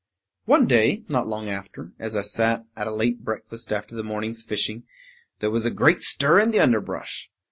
One day, not long after, as I sat at a late breakfast after the morning's fishing, there was a great stir in the underbrush.